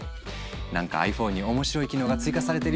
何かｉＰｈｏｎｅに面白い機能が追加されてるよ！